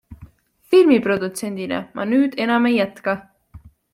Filmiprodutsendina ma nüüd enam ei jätka.